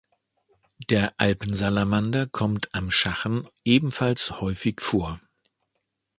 Der Alpensalamander kommt am Schachen ebenfalls häufig vor.